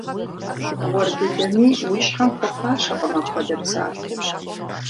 Уэр дыдэми уи щхьэм хуэфащэкъым апхуэдэ псалъэ.